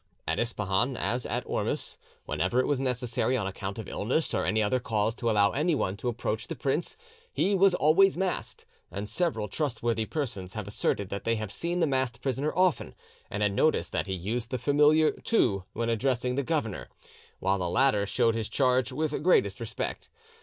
"At Ispahan, as at Ormus, whenever it was necessary on account of illness or any other cause to allow anyone to approach the prince, he was always masked; and several trustworthy persons have asserted that they had seen the masked prisoner often, and had noticed that he used the familiar 'tu' when addressing the governor, while the latter showed his charge the greatest respect.